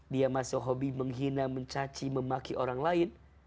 dia masuk hobi menghina mencaci memaki orang lain